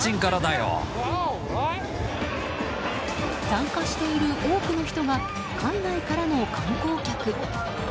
参加している多くの人が海外からの観光客。